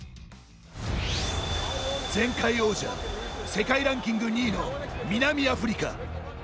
前回王者世界ランキング２位の南アフリカ。